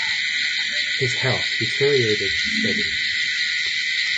His health deteriorated steadily.